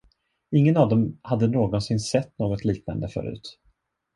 Ingen av dem hade någonsin sett något liknande förut.